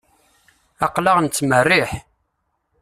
Aql-aɣ nettmerriḥ.